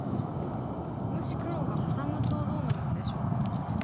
もし黒がハサむとどうなるんでしょうか。